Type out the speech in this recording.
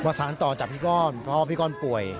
สารต่อจากพี่ก้อนเพราะว่าพี่ก้อนป่วย